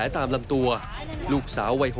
เอาไว้